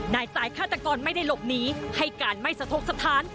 นายสายฆาตกรไม่ได้หลบหนีให้การไม่สะทกสถาน